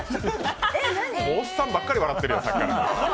おっさんばっかり笑ってるやん。